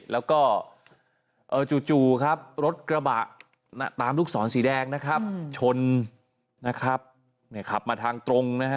แล้วก็จู่ครับรถกระบะตามลูกศรสีแดงนะครับชนนะครับขับมาทางตรงนะฮะ